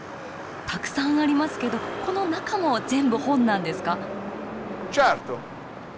たくさんありますけどこの中も全部本なんですか？